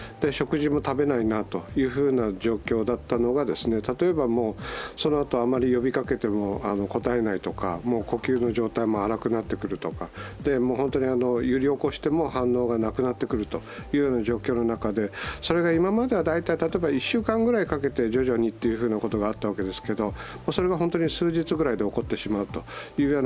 食事も食べないなという状況だったのが例えば、そのあとあまり呼びかけても答えないとか、もう呼吸の状態も荒くなってくるとか、揺り起こしても反応がなくなってくるという状況の中でそれが今までは、例えば１週間ぐらいかけて徐々にというふうなことがあったわけですけれども、それが本当に数日くらいで起こってしまう。